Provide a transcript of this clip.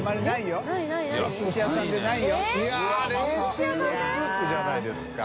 冷製スープじゃないですか。